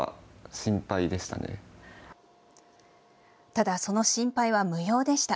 ただ、その心配は無用でした。